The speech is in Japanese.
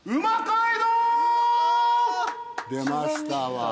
出ましたわ。